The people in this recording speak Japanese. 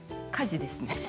家事ですね。